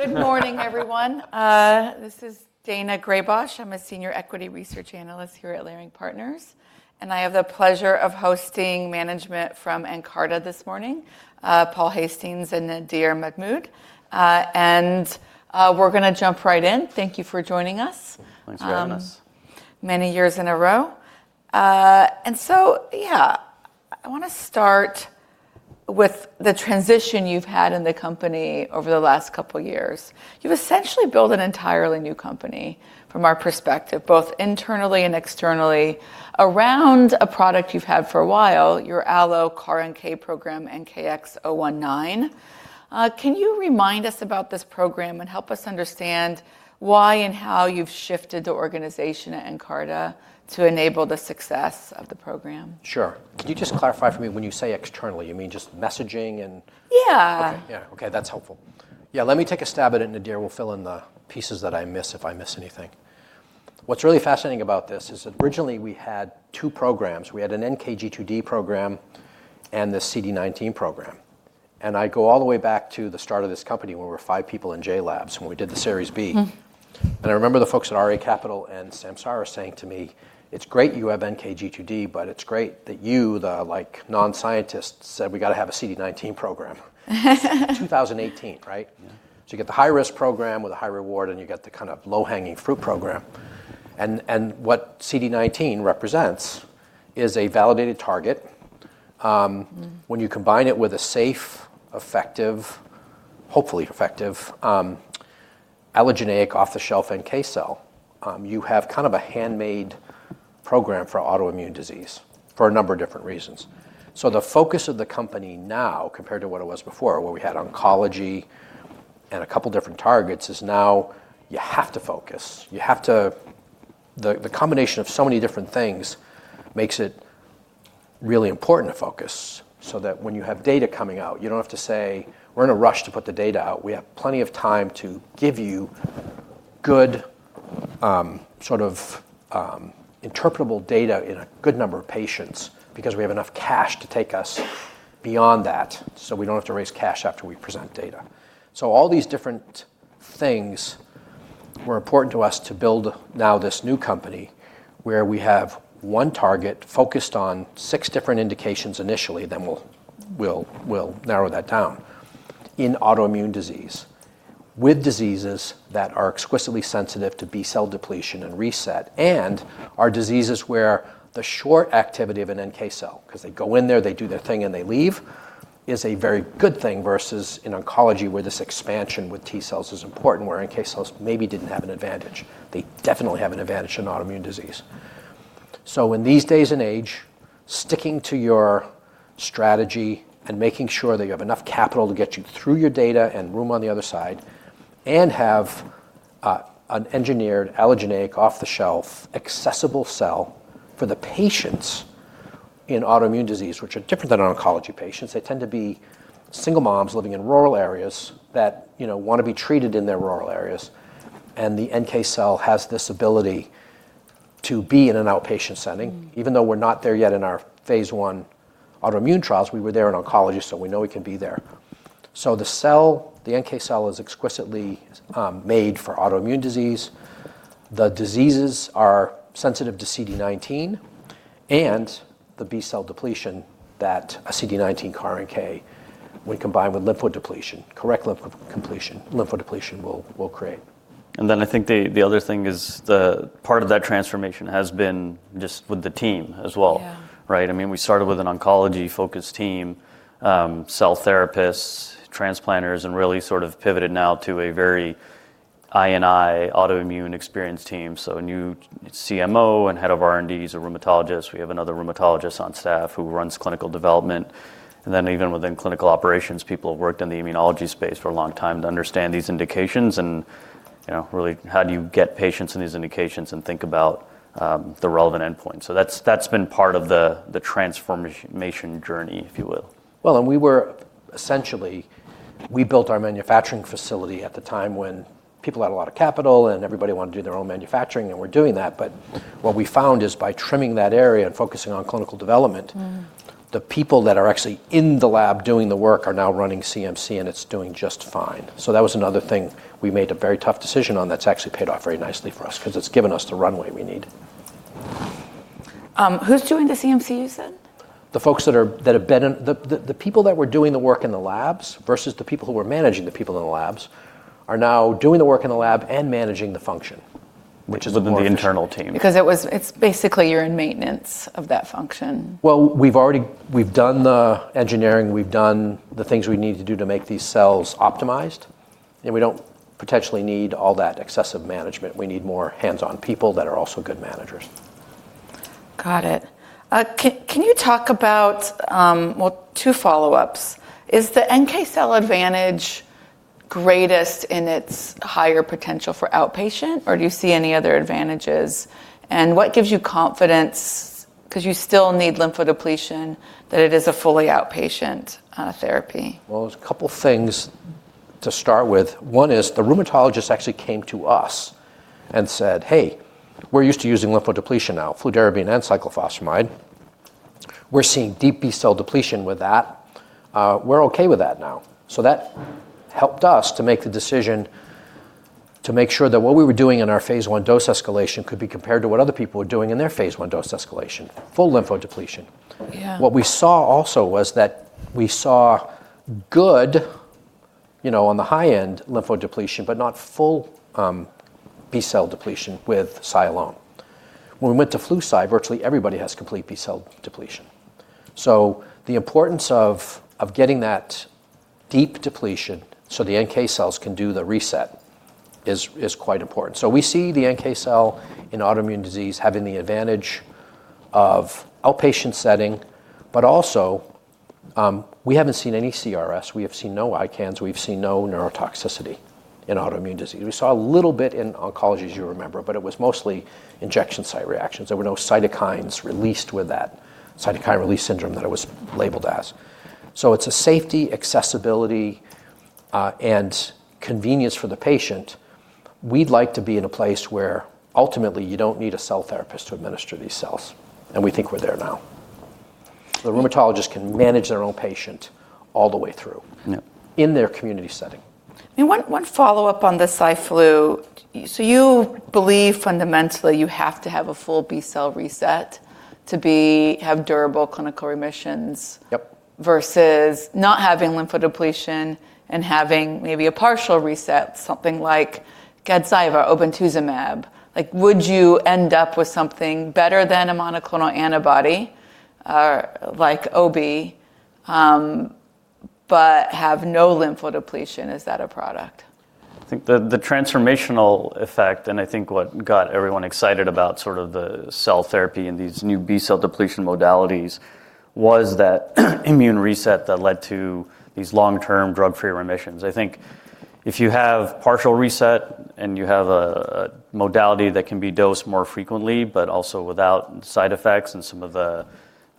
Good morning everyone. This is Daina Graybosch. I'm a senior equity research analyst here at Leerink Partners, and I have the pleasure of hosting management from Nkarta this morning, Paul Hastings and Nadir Mahmood. We're gonna jump right in. Thank you for joining us. Thanks for having us. Many years in a row. Yeah, I wanna start with the transition you've had in the company over the last couple of years. You've essentially built an entirely new company from our perspective, both internally and externally, around a product you've had for a while, your AlloCAR-NK program and NKX019. Can you remind us about this program and help us understand why and how you've shifted the organization at Nkarta to enable the success of the program? Sure. Can you just clarify for me when you say externally, you mean just messaging? Yeah. Okay. Yeah. Okay, that's helpful. Yeah, let me take a stab at it. Nadir will fill in the pieces that I miss if I miss anything. What's really fascinating about this is that originally we had two programs. We had an NKG2D program and the CD19 program. I go all the way back to the start of this company when we were five people in JLABS when we did the Series B. I remember the folks at RA Capital and Samsara saying to me, "It's great you have NKG2D, but it's great that you, like, non-scientist, said we gotta have a CD19 program." 2018, right? You get the high-risk program with a high reward, and you get the kind of low-hanging fruit program. What CD19 represents is a validated target. When you combine it with a safe, effective, hopefully effective, allogeneic, off-the-shelf NK cell, you have kind of a handmade program for autoimmune disease for a number of different reasons. The focus of the company now, compared to what it was before, where we had oncology and a couple different targets, is now you have to focus. You have to. The combination of so many different things makes it really important to focus, so that when you have data coming out, you don't have to say, "We're in a rush to put the data out." We have plenty of time to give you good, sort of, interpretable data in a good number of patients because we have enough cash to take us beyond that, so we don't have to raise cash after we present data. All these different things were important to us to build now this new company, where we have one target focused on six different indications initially, then we'll narrow that down, in autoimmune disease with diseases that are exquisitely sensitive to B-cell depletion and reset and are diseases where the short activity of an NK cell, 'cause they go in there, they do their thing, and they leave, is a very good thing versus in oncology where this expansion with T cells is important, where NK cells maybe didn't have an advantage. They definitely have an advantage in autoimmune disease. In this day and age, sticking to your strategy and making sure that you have enough capital to get you through your data and room on the other side, and have an engineered allogeneic off-the-shelf accessible cell for the patients in autoimmune disease, which are different than oncology patients. They tend to be single moms living in rural areas that, you know, wanna be treated in their rural areas, and the NK cell has this ability to be in an outpatient setting. Even though we're not there yet in our phase I autoimmune trials, we were there in oncology, so we know we can be there. The cell, the NK cell, is exquisitely made for autoimmune disease. The diseases are sensitive to CD19 and the B-cell depletion that a CD19 CAR NK, when combined with correct lymphodepletion, will create. I think the other thing is the part of that transformation has been just with the team as well. Right? I mean, we started with an oncology-focused team, cell therapists, transplanters, and really sort of pivoted now to a very I&I autoimmune experienced team. A new CMO and head of R&D. He's a rheumatologist. We have another rheumatologist on staff who runs clinical development. Even within clinical operations, people have worked in the immunology space for a long time to understand these indications and, you know, really how do you get patients in these indications and think about the relevant endpoint. That's been part of the transformation journey, if you will. Well, we built our manufacturing facility at the time when people had a lot of capital and everybody wanted to do their own manufacturing, and we're doing that. What we found is by trimming that area and focusing on clinical development. The people that are actually in the lab doing the work are now running CMC, and it's doing just fine. That was another thing we made a very tough decision on that's actually paid off very nicely for us 'cause it's given us the runway we need. Who's doing the CMC you said? The people that were doing the work in the labs versus the people who were managing the people in the labs are now doing the work in the lab and managing the function, which is more efficient. Within the internal team. It's basically you're in maintenance of that function. We've done the engineering. We've done the things we need to do to make these cells optimized, and we don't potentially need all that excessive management. We need more hands-on people that are also good managers. Got it. Can you talk about, well, two follow-ups. Is the NK cell advantage greatest in its higher potential for outpatient, or do you see any other advantages? What gives you confidence, 'cause you still need lymphodepletion, that it is a fully outpatient therapy? Well, there's a couple things to start with. One is the rheumatologist actually came to us and said, "Hey, we're used to using lymphodepletion now, fludarabine and cyclophosphamide. We're seeing deep B-cell depletion with that. We're okay with that now." That helped us to make the decision to make sure that what we were doing in our phase I dose escalation could be compared to what other people were doing in their phase I dose escalation. Full lymphodepletion. What we saw also was that we saw good, you know, on the high end lymphodepletion, but not full B-cell depletion with Cy alone. When we went to Flu/Cy, virtually everybody has complete B-cell depletion. The importance of getting that deep depletion so the NK cells can do the reset is quite important. We see the NK cell in autoimmune disease having the advantage of outpatient setting, but also we haven't seen any CRS. We have seen no ICANS. We've seen no neurotoxicity in autoimmune disease. We saw a little bit in oncology, as you remember, but it was mostly injection site reactions. There were no cytokines released with that cytokine release syndrome that it was labeled as. It's a safety, accessibility and convenience for the patient. We'd like to be in a place where ultimately you don't need a cell therapist to administer these cells, and we think we're there now. The rheumatologist can manage their own patient all the way through in their community setting. One follow-up on the Cy/Flu. You believe fundamentally you have to have a full B-cell reset to have durable clinical remissions. Versus not having lymphodepletion and having maybe a partial reset, something like GAZYVA obinutuzumab. Like, would you end up with something better than a monoclonal antibody, like obinutuzumab, but have no lymphodepletion? Is that a product? I think the transformational effect, and I think what got everyone excited about sort of the cell therapy and these new B-cell depletion modalities was that immune reset that led to these long-term drug-free remissions. I think if you have partial reset and you have a modality that can be dosed more frequently, but also without side effects and some of the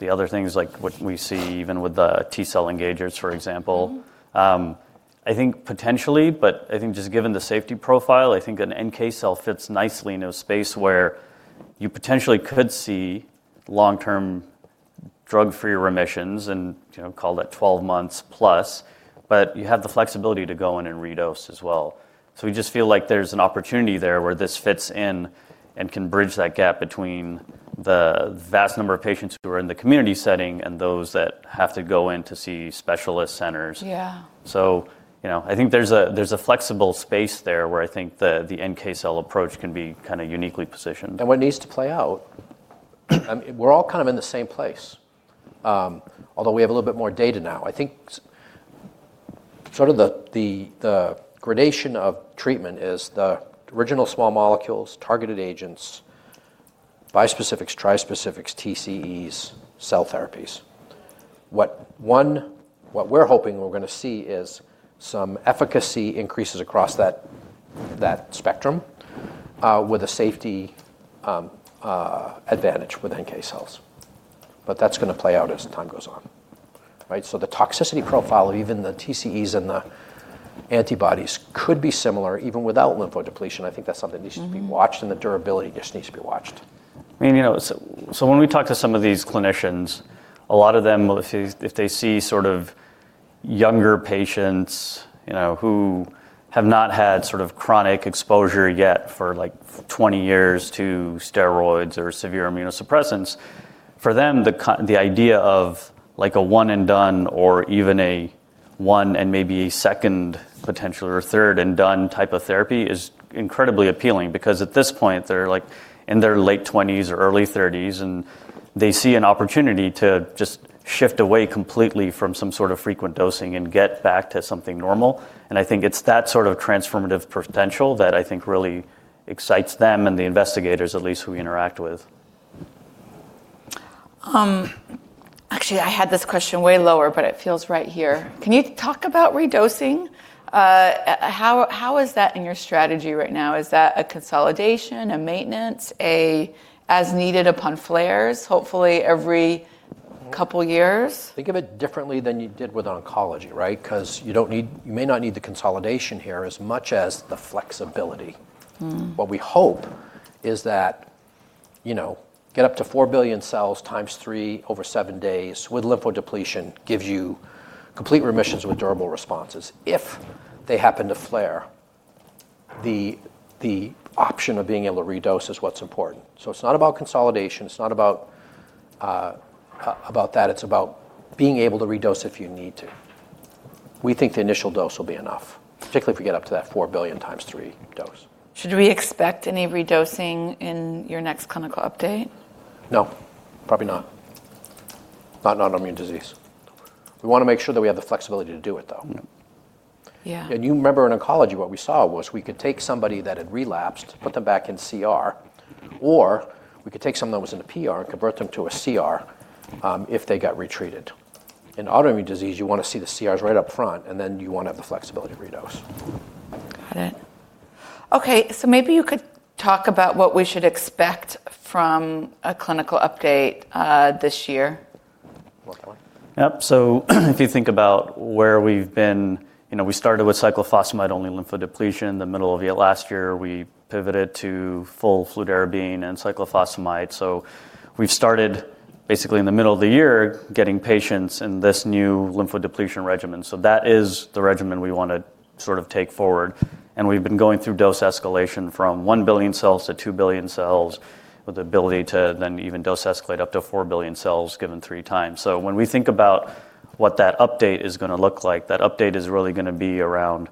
other things like what we see even with the T-cell engagers, for example I think potentially, I think just given the safety profile, I think an NK cell fits nicely in a space where you potentially could see long-term drug-free remissions and, you know, call that 12 months plus. You have the flexibility to go in and redose as well. We just feel like there's an opportunity there where this fits in and can bridge that gap between the vast number of patients who are in the community setting and those that have to go in to see specialist centers. You know, I think there's a flexible space there where I think the NK cell approach can be kind of uniquely positioned- What needs to play out, we're all kind of in the same place. Although we have a little bit more data now. I think sort of the gradation of treatment is the original small molecules, targeted agents, bispecifics, trispecifics, TCEs, cell therapies. What we're hoping we're gonna see is some efficacy increases across that spectrum with a safety advantage with NK cells. That's gonna play out as time goes on, right? The toxicity profile of even the TCEs and the antibodies could be similar even without lymphodepletion. I think that's something that needs to be watched, and the durability just needs to be watched. I mean, you know, so when we talk to some of these clinicians, a lot of them, if they see sort of younger patients, you know, who have not had sort of chronic exposure yet for like 20 years to steroids or severe immunosuppressants, for them, the idea of like a one and done or even a one and maybe a second potential or third and done type of therapy is incredibly appealing because at this point, they're like in their late 20s or early 30s, and they see an opportunity to just shift away completely from some sort of frequent dosing and get back to something normal. I think it's that sort of transformative potential that I think really excites them and the investigators at least who we interact with. Actually, I had this question way lower, but it feels right here. Can you talk about redosing? How is that in your strategy right now? Is that a consolidation, a maintenance, a as-needed upon flares, hopefully every couple years? Think of it differently than you did with oncology, right? 'Cause you may not need the consolidation here as much as the flexibility. What we hope is that, you know, get up to 4 billion cells times 3 over seven days with lymphodepletion gives you complete remissions with durable responses. If they happen to flare, the option of being able to redose is what's important. It's not about consolidation, it's not about that. It's about being able to redose if you need to. We think the initial dose will be enough, particularly if we get up to that 4 billion times 3 dose. Should we expect any redosing in your next clinical update? No, probably not. Not in autoimmune disease. We wanna make sure that we have the flexibility to do it, though. You remember in oncology, what we saw was we could take somebody that had relapsed, put them back in CR. Or we could take someone that was in a PR and convert them to a CR, if they got retreated. In autoimmune disease, you wanna see the CRs right up front, and then you wanna have the flexibility to redose. Got it. Okay, so maybe you could talk about what we should expect from a clinical update, this year. Yep, if you think about where we've been, you know, we started with cyclophosphamide-only lymphodepletion. The middle of last year we pivoted to full fludarabine and cyclophosphamide. We've started basically in the middle of the year getting patients in this new lymphodepletion regimen. That is the regimen we wanna sort of take forward, and we've been going through dose escalation from 1 billion cells- 2 billion cells with the ability to then even dose escalate up to 4 billion cells given three times. When we think about what that update is gonna look like, that update is really gonna be around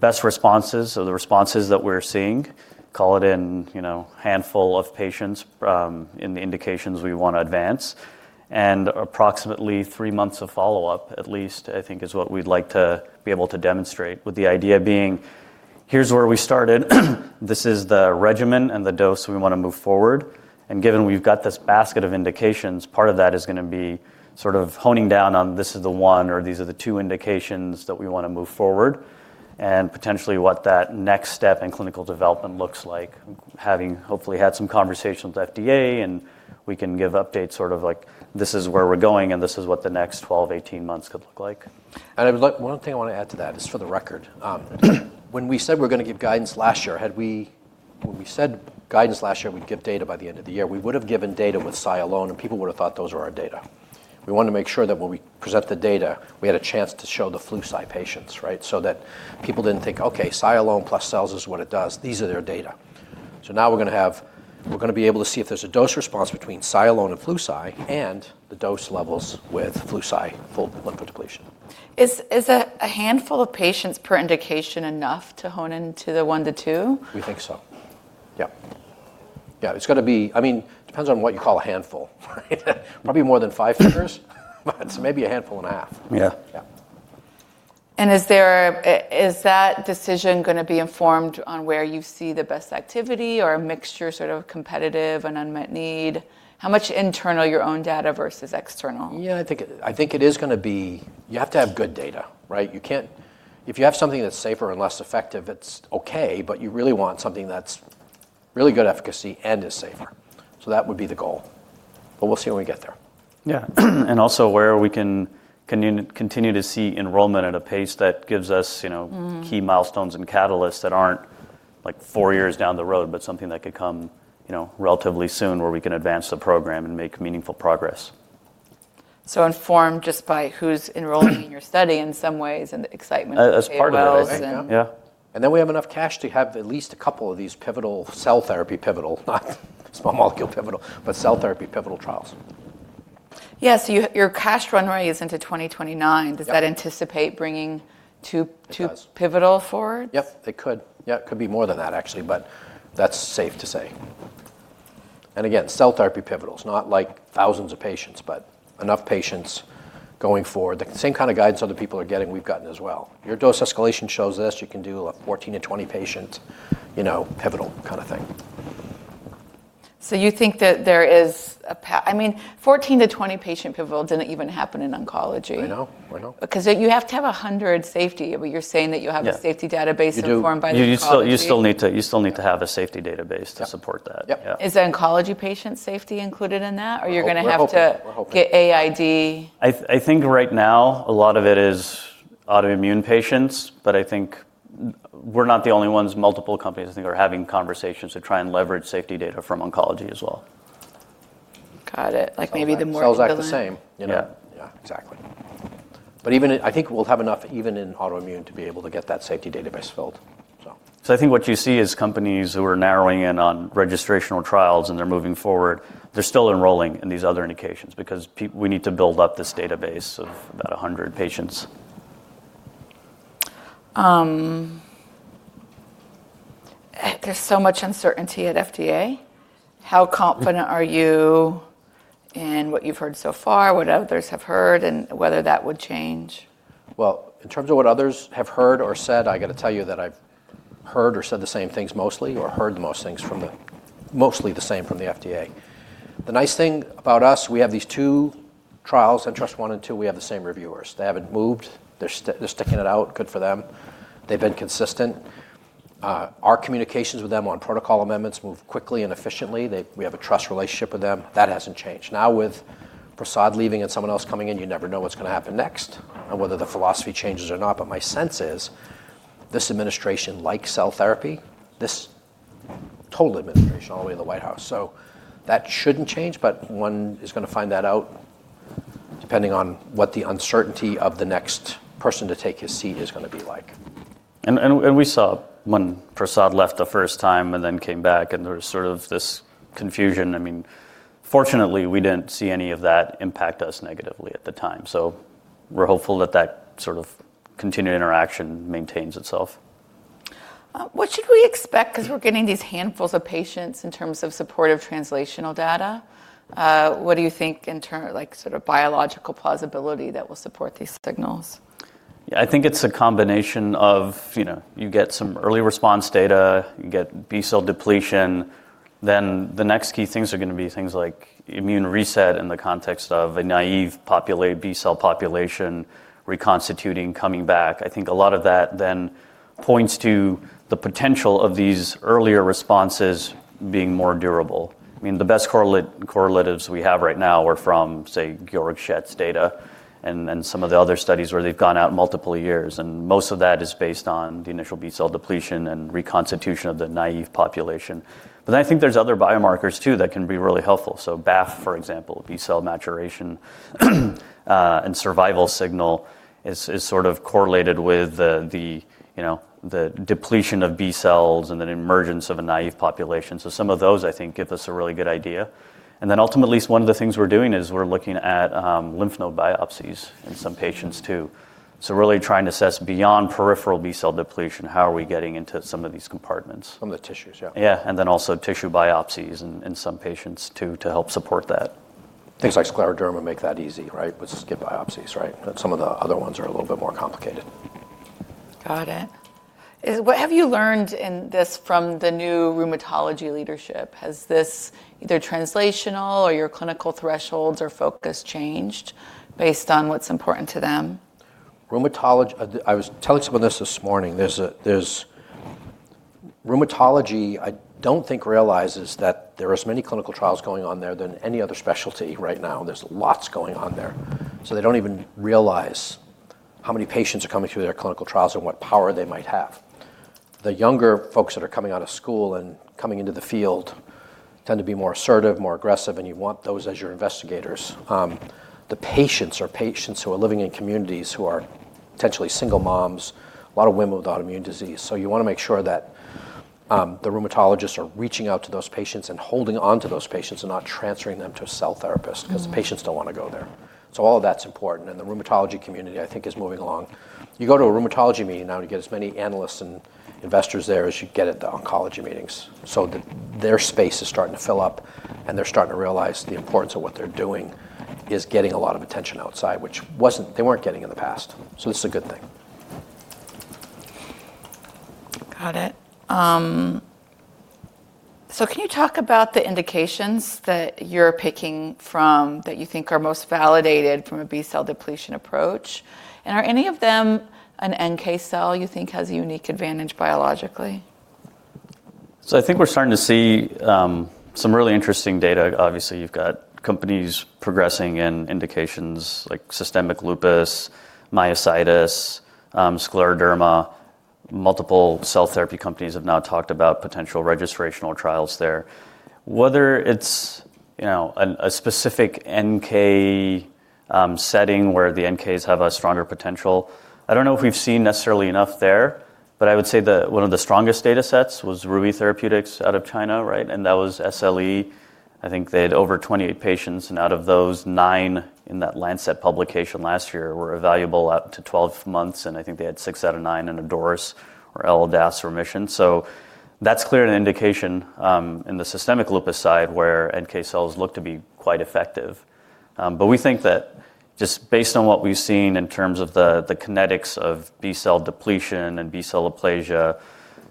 best responses. The responses that we're seeing, call it in, you know, handful of patients, in the indications we wanna advance and approximately three months of follow-up at least, I think is what we'd like to be able to demonstrate with the idea being here's where we started, this is the regimen and the dose we wanna move forward, and given we've got this basket of indications, part of that is gonna be sort of honing down on this is the one, or these are the two indications that we wanna move forward, and potentially what that next step in clinical development looks like. Having hopefully had some conversations with FDA and we can give updates sort of like, "This is where we're going and this is what the next 12, 18 months could look like. One thing I wanna add to that is for the record, when we said we're gonna give guidance last year, we would've given data with Cy alone by the end of the year, and people would've thought those were our data. We wanted to make sure that when we present the data, we had a chance to show the Flu/Cy patients, right, that people didn't think, "Okay, Cy alone plus cells is what it does. These are their data." We're gonna be able to see if there's a dose response between Cy alone and Flu/Cy and the dose levels with Flu/Cy full lymphodepletion. Is a handful of patients per indication enough to hone into the 1-2? We think so. Yep. Yeah, it's gotta be. I mean, depends on what you call a handful, right? Probably more than five figures, but maybe a handful and a half. Yeah. Is that decision gonna be informed on where you see the best activity or a mixture, sort of competitive and unmet need? How much internal your own data versus external? Yeah, I think it is gonna be. You have to have good data, right? You can't. If you have something that's safer and less effective, it's okay, but you really want something that's really good efficacy and is safer. That would be the goal, but we'll see when we get there. Yeah. Also where we can continue to see enrollment at a pace that gives us, you know, key milestones and catalysts that aren't like four years down the road, but something that could come, you know, relatively soon where we can advance the program and make meaningful progress. Informed just by who's enrolling in your study in some ways, and the excitement. As part of it, I think, yeah. Yeah. We have enough cash to have at least a couple of these pivotal cell therapy pivotal, not small molecule pivotal, but cell therapy pivotal trials. Yeah. You, your cash runway is into 2029. Does that anticipate bringing two, Two pivotal forwards? Yep, it could. Yeah, it could be more than that actually, but that's safe to say. Again, cell therapy pivotal. It's not like thousands of patients, but enough patients going forward. The same kind of guidance other people are getting, we've gotten as well. Your dose escalation shows this. You can do a 14-20 patient, you know, pivotal kind of thing. You think that there is, I mean, 14-20 patient pivotal didn't even happen in oncology. Because you have to have 100 safety. You're saying that you have a safety database informed by the oncology. You do. You still need to have a safety database to support that. Is the oncology patient safety included in that or you're gonna have to get AID? I think right now a lot of it is autoimmune patients, but I think we're not the only ones. Multiple companies I think are having conversations to try and leverage safety data from oncology as well. Got it. Like maybe the more you build it. Cells act the same, you know? Yeah, exactly. I think we'll have enough even in autoimmune to be able to get that safety database filled, so. I think what you see is companies who are narrowing in on registrational trials and they're moving forward. They're still enrolling in these other indications because we need to build up this database of about 100 patients. There's so much uncertainty at FDA. How confident are you in what you've heard so far, what others have heard, and whether that would change? Well, in terms of what others have heard or said, I gotta tell you that I've heard or said the same things mostly, or heard mostly the same from the FDA. The nice thing about us, we have these two trials, Ntrust-1 and Ntrust-2, we have the same reviewers. They haven't moved. They're sticking it out, good for them. They've been consistent. Our communications with them on protocol amendments move quickly and efficiently. We have a trust relationship with them. That hasn't changed. Now, with [Peter Marks] leaving and someone else coming in, you never know what's gonna happen next and whether the philosophy changes or not, but my sense is this administration likes cell therapy, this total administration all the way to the White House. That shouldn't change, but one is gonna find that out depending on what the uncertainty of the next person to take his seat is gonna be like. We saw when [Peter Marks] left the first time and then came back and there was sort of this confusion. I mean, fortunately, we didn't see any of that impact us negatively at the time. We're hopeful that that sort of continued interaction maintains itself. What should we expect, 'cause we're getting these handfuls of patients in terms of supportive translational data, what do you think in terms, like sort of biological plausibility that will support these signals? Yeah. I think it's a combination of, you know, you get some early response data, you get B-cell depletion. Then the next key things are gonna be things like immune reset in the context of a naive populating B-cell population reconstituting, coming back. I think a lot of that then points to the potential of these earlier responses being more durable. I mean, the best correlatives we have right now are from, say, Georg Schett's data and some of the other studies where they've gone out multiple years, and most of that is based on the initial B-cell depletion and reconstitution of the naive population. I think there's other biomarkers too that can be really helpful. BAFF, for example, B-cell maturation and survival signal is sort of correlated with the, you know, the depletion of B-cells and the emergence of a naive population. Some of those I think give us a really good idea. Ultimately at least one of the things we're doing is we're looking at lymph node biopsies in some patients too. Really trying to assess beyond peripheral B-cell depletion, how are we getting into some of these compartments. Some of the tissues, yeah. Yeah. Also tissue biopsies in some patients too, to help support that. Things like scleroderma make that easy, right? With skin biopsies, right? Some of the other ones are a little bit more complicated. Got it. What have you learned in this from the new rheumatology leadership? Has this either translational or your clinical thresholds or focus changed based on what's important to them? Rheumatology. I was telling someone this morning, Rheumatology, I don't think realizes that there are as many clinical trials going on there than any other specialty right now. There's lots going on there. They don't even realize how many patients are coming through their clinical trials and what power they might have. The younger folks that are coming out of school and coming into the field tend to be more assertive, more aggressive, and you want those as your investigators. The patients are patients who are living in communities who are potentially single moms, a lot of women with autoimmune disease. You wanna make sure that the rheumatologists are reaching out to those patients and holding onto those patients and not transferring them to a cell therapist. Because the patients don't wanna go there. All of that's important, and the rheumatology community, I think, is moving along. You go to a rheumatology meeting now, you get as many analysts and investors there as you get at the oncology meetings. Their space is starting to fill up and they're starting to realize the importance of what they're doing is getting a lot of attention outside, which they weren't getting in the past. This is a good thing. Got it. Can you talk about the indications that you're picking from that you think are most validated from a B-cell depletion approach? Are any of them an NK cell you think has a unique advantage biologically? I think we're starting to see some really interesting data. Obviously, you've got companies progressing in indications like systemic lupus, myositis, scleroderma. Multiple cell therapy companies have now talked about potential registrational trials there. Whether it's, you know, a specific NK setting where the NK's have a stronger potential, I don't know if we've seen necessarily enough there, but I would say one of the strongest data sets was Rui Therapeutics out of China, right? That was SLE. I think they had over 28 patients, and out of those nine in that Lancet publication last year were evaluable out to 12 months, and I think they had six out of nine in a DORIS or LLDAS remission. That's a clear indication in the systemic lupus side where NK cells look to be quite effective. We think that just based on what we've seen in terms of the kinetics of B-cell depletion and B-cell aplasia,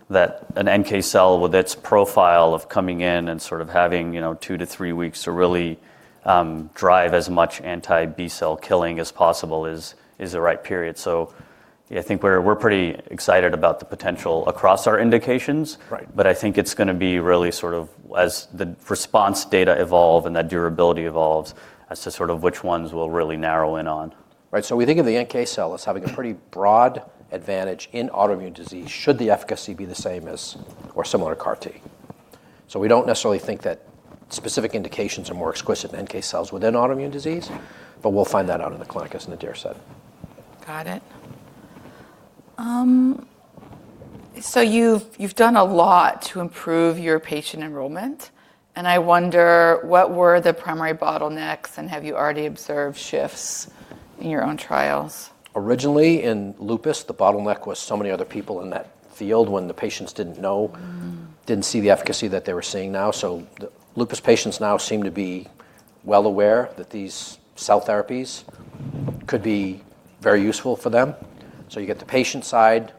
that an NK cell with its profile of coming in and sort of having, you know, two-three weeks to really drive as much anti-B-cell killing as possible is the right period. Yeah, I think we're pretty excited about the potential across our indications. I think it's gonna be really sort of as the response data evolve and that durability evolves as to sort of which ones we'll really narrow in on. Right. We think of the NK cell as having a pretty broad advantage in autoimmune disease, should the efficacy be the same as or similar to CAR-T. We don't necessarily think that specific indications are more exquisite in NK cells within autoimmune disease, but we'll find that out in the clinic, as Nadir said. Got it. You've done a lot to improve your patient enrollment, and I wonder what were the primary bottlenecks, and have you already observed shifts in your own trials? Originally in lupus, the bottleneck was so many other people in that field when the patients didn't know. Didn't see the efficacy that they were seeing now. The lupus patients now seem to be well aware that these cell therapies could be very useful for them. You get the patient side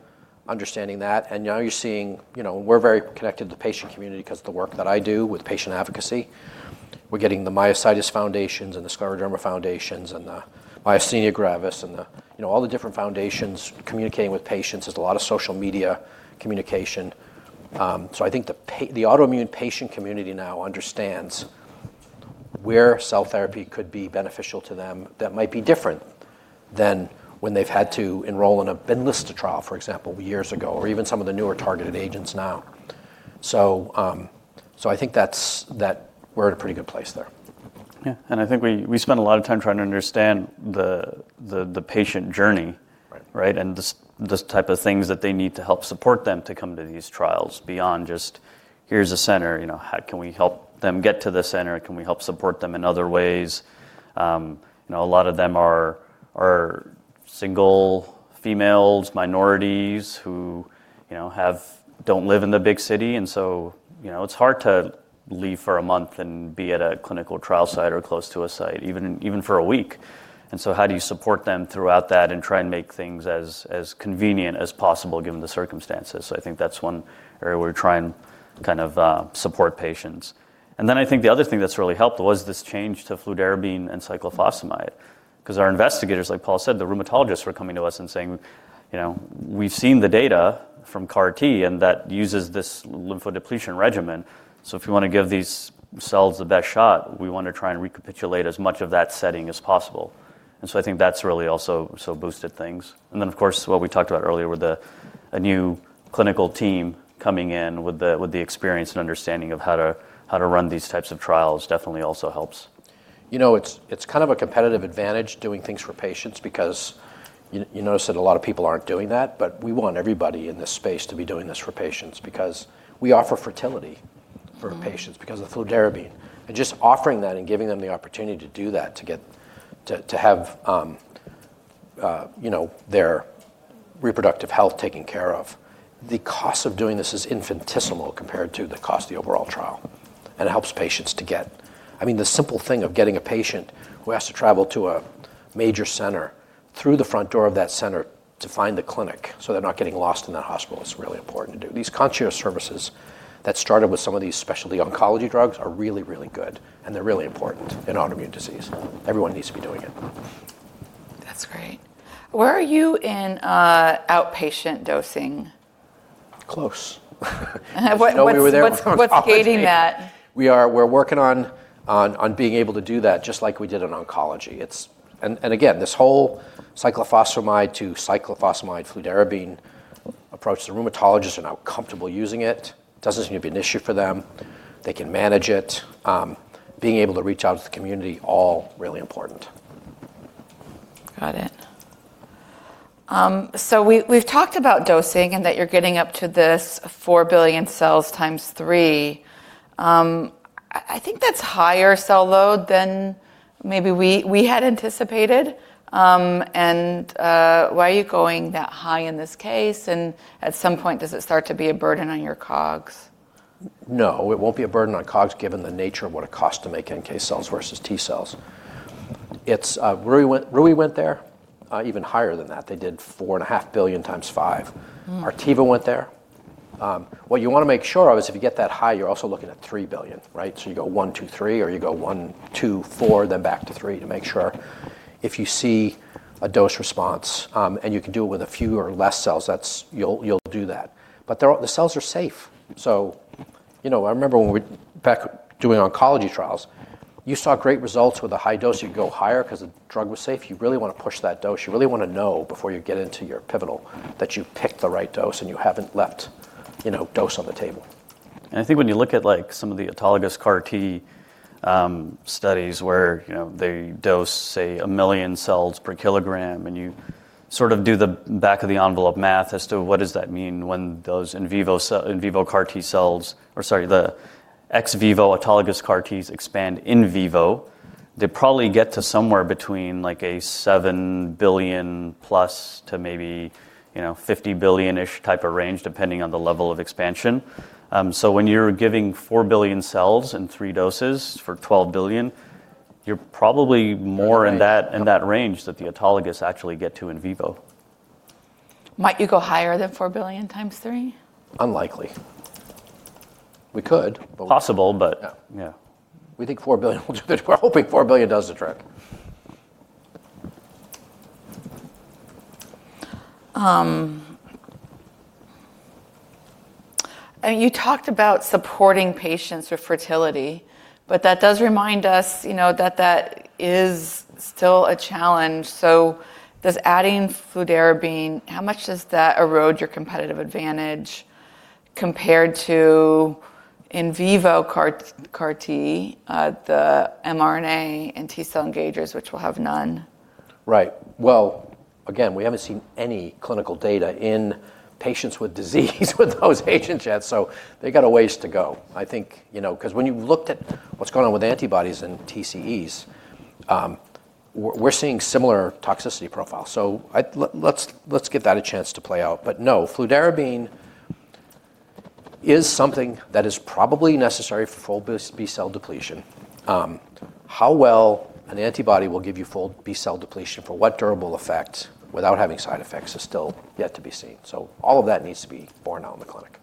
understanding that, and now you're seeing. You know, we're very connected to the patient community because of the work that I do with patient advocacy. We're getting the myositis foundations and the scleroderma foundations and the myasthenia gravis and the, you know, all the different foundations communicating with patients. There's a lot of social media communication. I think the autoimmune patient community now understands where cell therapy could be beneficial to them that might be different than when they've had to enroll in a blinded trial, for example, years ago, or even some of the newer targeted agents now. I think that we're at a pretty good place there. Yeah. I think we spend a lot of time trying to understand the patient journey. Right? The type of things that they need to help support them to come to these trials beyond just, here's a center, you know, how can we help them get to the center? Can we help support them in other ways? You know, a lot of them are single females, minorities who, you know, have don't live in the big city, and so, you know, it's hard to leave for a month and be at a clinical trial site or close to a site even for a week. How do you support them throughout that and try and make things as convenient as possible given the circumstances? I think that's one area where we're trying to kind of support patients. I think the other thing that's really helped was this change to fludarabine and cyclophosphamide, because our investigators, like Paul said, the rheumatologists were coming to us and saying, you know, "We've seen the data from CAR-T, and that uses this lymphodepletion regimen, so if you wanna give these cells the best shot, we wanna try and recapitulate as much of that setting as possible." I think that's really also so boosted things. Of course, what we talked about earlier, with a new clinical team coming in with the experience and understanding of how to run these types of trials definitely also helps. You know, it's kind of a competitive advantage doing things for patients because you notice that a lot of people aren't doing that, but we want everybody in this space to be doing this for patients because we offer fertility for patients. Because of fludarabine. Just offering that and giving them the opportunity to do that, to have, you know, their reproductive health taken care of. The cost of doing this is infinitesimal compared to the cost of the overall trial. It helps patients. I mean, the simple thing of getting a patient who has to travel to a major center through the front door of that center to find the clinic, so they're not getting lost in that hospital, is really important to do. These concierge services that started with some of these specialty oncology drugs are really, really good, and they're really important in autoimmune disease. Everyone needs to be doing it. That's great. Where are you in outpatient dosing? Close. What's gating that? We're working on being able to do that just like we did in oncology. Again, this whole cyclophosphamide to cyclophosphamide-fludarabine approach, the rheumatologists are now comfortable using it. Doesn't seem to be an issue for them. They can manage it. Being able to reach out to the community, all really important. Got it. So we've talked about dosing and that you're getting up to this 4 billion cells times 3. I think that's higher cell load than maybe we had anticipated. Why are you going that high in this case? At some point, does it start to be a burden on your COGS? No, it won't be a burden on COGS given the nature of what it costs to make NK cells versus T cells. It's Rui Therapeutics went there, even higher than that. They did 4.5 billion times five. Artiva went there. What you wanna make sure of is if you get that high, you're also looking at 3 billion, right? You go one-three, or you go one-four, then back to three to make sure if you see a dose response, and you can do it with a few or less cells, that's, you'll do that. But they're all, the cells are safe. You know, I remember back doing oncology trials, you saw great results with a high dose. You'd go higher 'cause the drug was safe. You really wanna push that dose. You really wanna know before you get into your pivotal that you've picked the right dose and you haven't left, you know, dose on the table. I think when you look at, like, some of the autologous CAR-T studies where, you know, they dose, say, 1 million cells per kilogram, and you sort of do the back of the envelope math as to what does that mean when those in vivo CAR-T cells, or sorry, the ex-vivo autologous CAR-Ts expand in vivo, they probably get to somewhere between, like, 7 billion+ to maybe, you know, 50 billion-ish type of range, depending on the level of expansion. When you're giving 4 billion cells in three doses for 12 billion, you're probably more in that in that range that the autologous actually get to in vivo. Might you go higher than 4 billion x 3? Unlikely. We could, but. Possible, but. We think 4 billion will do. We're hoping 4 billion does the trick. You talked about supporting patients with fertility, but that does remind us, you know, that that is still a challenge. Does adding fludarabine, how much does that erode your competitive advantage compared to in vivo CAR-T, the mRNA and T-cell engagers, which will have none? Well, again, we haven't seen any clinical data in patients with disease with those agents yet, so they got a ways to go. I think, you know, 'cause when you've looked at what's going on with antibodies and TCEs, we're seeing similar toxicity profiles. Let's give that a chance to play out. No, fludarabine is something that is probably necessary for full B-cell depletion. How well an antibody will give you full B-cell depletion for what durable effect without having side effects is still yet to be seen. All of that needs to be borne out in the clinic.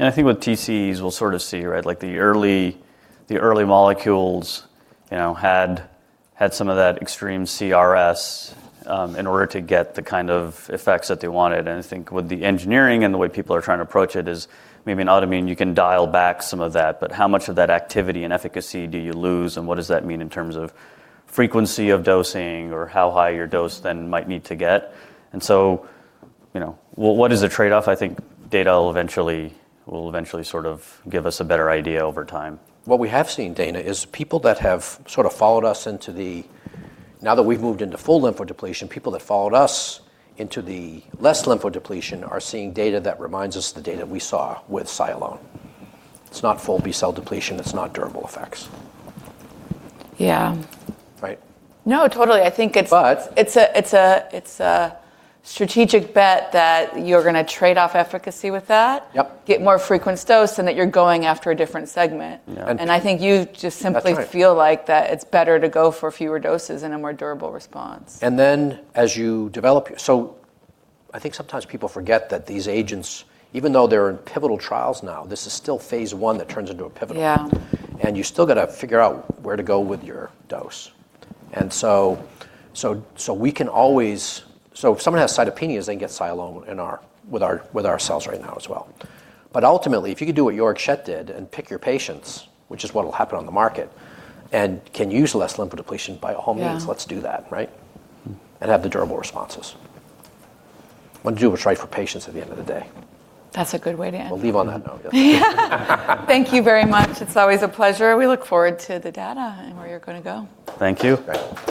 I think with TCEs, we'll sort of see, right? Like, the early molecules, you know, had some of that extreme CRS in order to get the kind of effects that they wanted. I think with the engineering and the way people are trying to approach it is maybe in autoimmune you can dial back some of that. How much of that activity and efficacy do you lose, and what does that mean in terms of frequency of dosing or how high your dose then might need to get? You know, what is the trade-off? I think data will eventually sort of give us a better idea over time. What we have seen, Daina, is people that have sort of followed us. Now that we've moved into full lymphodepletion, people that followed us into the less lymphodepletion are seeing data that reminds us of the data we saw with Cy alone. It's not full B-cell depletion. It's not durable effects. Right? No, totally. I think it's, It's a strategic bet that you're gonna trade off efficacy with that. Get more frequent dose, and that you're going after a different segment. I think you just simply. Feel like that it's better to go for fewer doses and a more durable response. I think sometimes people forget that these agents, even though they're in pivotal trials now, this is still phase I that turns into a pivotal. You still gotta figure out where to go with your dose. If someone has cytopenias, they can get Cy alone with our cells right now as well. Ultimately, if you could do what Schett did and pick your patients, which is what'll happen on the market, and can use less lymphodepletion, by all means. Let's do that, right? Have the durable responses. Wanna do what's right for patients at the end of the day. That's a good way to end. We'll leave on that note. Thank you very much. It's always a pleasure. We look forward to the data and where you're gonna go. Thank you. Great.